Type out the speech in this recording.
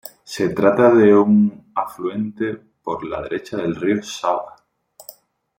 Se trata de un afluente por la derecha del río Sava.